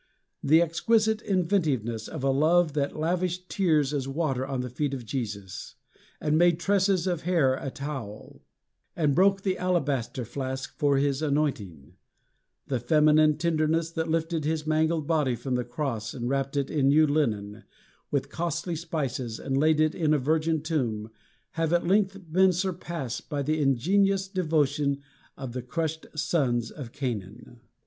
The exquisite inventiveness of a love that lavished tears as water on the feet of Jesus, and made tresses of hair a towel, and broke the alabaster flask for his anointing; the feminine tenderness that lifted his mangled body from the cross and wrapped it in new linen, with costly spices, and laid it in a virgin tomb, have at length been surpassed by the ingenious devotion of the cursed sons of Canaan.